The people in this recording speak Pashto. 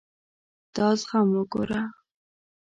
دا زخم وګوره.